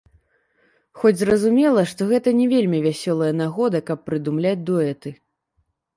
Хоць, зразумела, што гэта не вельмі вясёлая нагода, каб прыдумляць дуэты.